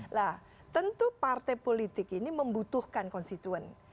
nah tentu partai politik ini membutuhkan konstituen